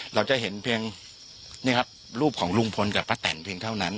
เราจะเห็นเพียงนี่ครับรูปของลุงพลกับป้าแตนเพียงเท่านั้น